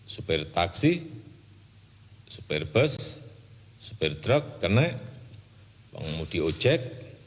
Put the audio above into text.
supir taksi supir bus supir truk kene pengumum di ojek